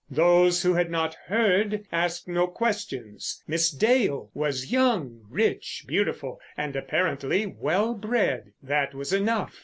Those who had not heard asked no questions. Miss Dale was young, rich, beautiful, and apparently well bred. That was enough.